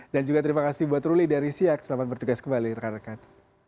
dan juga terima kasih buat ruli dari siak selamat bertugas kembali rekan rekan